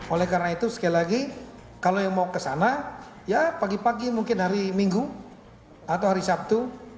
oleh karena itu sekali lagi kalau yang mau ke sana ya pagi pagi mungkin hari minggu atau hari sabtu